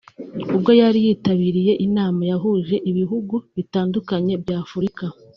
ubwo yari yitabiriye inama yahuje ibihugu bitandukanye bya Afurika